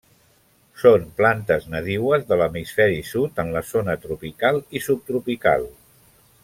Són plantes nadiues de l'hemisferi sud en la zona tropical i subtropical.